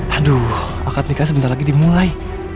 aduh akad nikah sebentar lagi dimulai